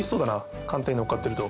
寒天に乗っかってると。